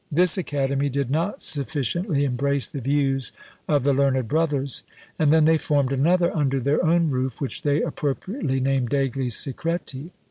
This academy did not sufficiently embrace the views of the learned brothers; and then they formed another under their own roof, which they appropriately named degli Secreti.